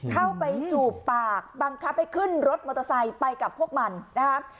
จูบปากบังคับให้ขึ้นรถมอเตอร์ไซค์ไปกับพวกมันนะครับ